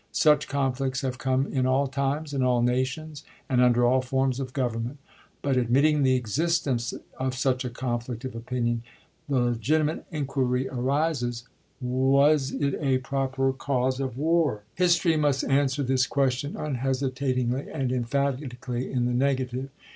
Such con flicts have come in all times, in all nations, and under all forms of government. But, admitting the existence of such a conflict of opinion, the legiti mate inquiry arises, Was it a proper cause of war ? Vol. III.— 18 274 ABEAHAM LINCOLN ch. xvn. History must answer this question unhesita tingly and emphatically in the negative.